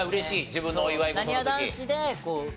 自分のお祝い事の時。